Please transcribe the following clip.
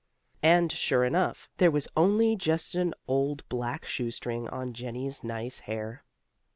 And, sure enough, there was only just an old black shoestring on Jennie's nice hair.